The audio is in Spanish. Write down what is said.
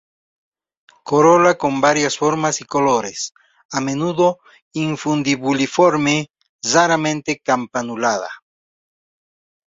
Corola con varias formas y colores, a menudo infundibuliforme, raramente campanulada.